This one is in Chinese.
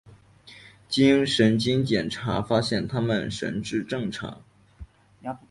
经精神检查发现他们神智正常。